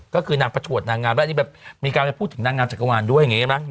ก็คือนางประถวดนางงามและมีการพูดถึงนางงามจักรวาลด้วย